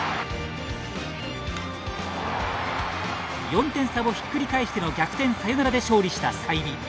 ４点差をひっくり返しての逆転サヨナラで勝利した済美。